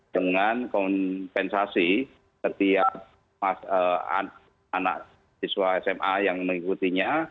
dengan kompensasi setiap anak siswa sma yang mengikutinya